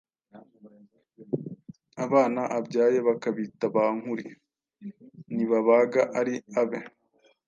Abana abyaye bakabita ba “nkuri” ntibabaga ari abe